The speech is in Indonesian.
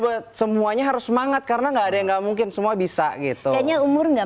buat semuanya harus semangat karena enggak ada yang nggak mungkin semua bisa gitu kayaknya umurnya